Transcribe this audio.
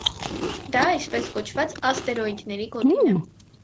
Դա, այսպես կոչված, աստերոիդների գոտին է։